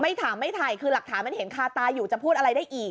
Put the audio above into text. ไม่ถามไม่ไถคือหลักถามนั้นเห็นค้าตายอยู่จะพูดอะไรได้อีก